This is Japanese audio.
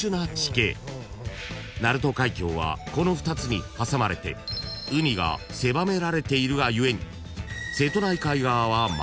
［鳴門海峡はこの２つに挟まれて海が狭められているが故に］